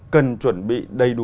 cần chuẩn bị đầy đủ tiền